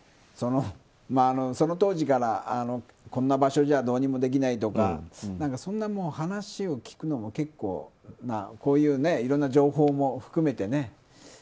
その当時からこんな場所じゃどうにもできないとかそんな話を聞くのも結構ないろんな情報も含めてね。